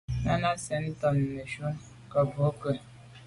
Náná cɛ̌d nɛ̂n ntɔ́nə́ nə̀ jún á kə̂ bû kə̂.